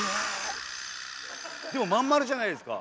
でもまんまるじゃないですか。